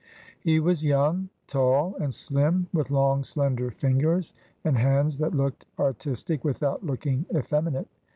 He was young, tall, and slim, with long slender fingers, and hands that looked artistic without looking effeminate.